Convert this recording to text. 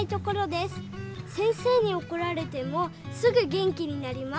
先生におこられてもすぐ元気になります！